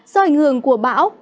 do ảnh hưởng của bão